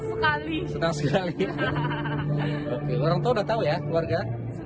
orangtua udah tahu ya keluarga